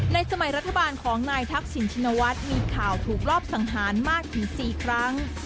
สมัยรัฐบาลของนายทักษิณชินวัฒน์มีข่าวถูกรอบสังหารมากถึง๔ครั้ง